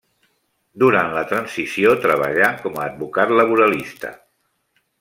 Duran la transició treballà com a advocat laboralista.